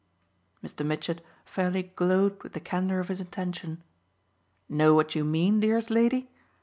Mr. Mitchett fairly glowed with the candour of his attention. "Know what you mean, dearest lady?